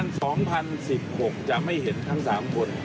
รูปรุงการ๒๐๑๖จะไม่เห็นทั้ง๓คน